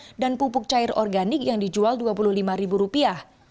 dengan kemasan dua lima kg dan pupuk cair organik yang dijual dua puluh lima ribu rupiah